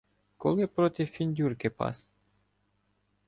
Коли проти фіндюрки пас?..